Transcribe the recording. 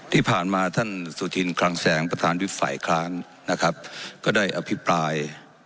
ที่ผ่านมาท่านสุธินคลังแสงประธานวิบฝ่ายค้านนะครับก็ได้อภิปราย